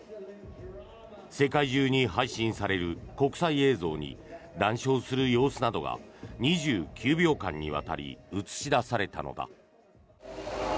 世界中に配信される国際映像に談笑する様子などが２９秒間にわたり映し出されたのだ。